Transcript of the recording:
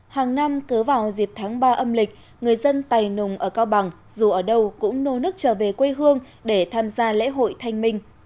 hàng năm cứ vào dịp tháng ba âm lịch người dân tài nùng ở cao bằng dù ở đâu cũng nô nức trở về quê hương để tham gia lễ hội thanh minh